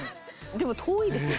でも遠いですね。